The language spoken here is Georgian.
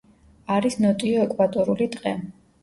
არის ნოტიო ეკვატორული ტყე.